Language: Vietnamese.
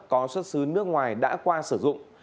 có xuất xứ nước ngoài đã qua sử dụng